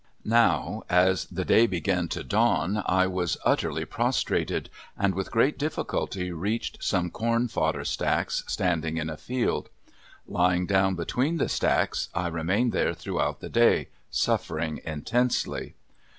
Now, as the day began to dawn, I was utterly prostrated, and with great difficulty reached some corn fodder stacks standing in a field. Lying down between the stacks. I remained there throughout the day, suffering intensely.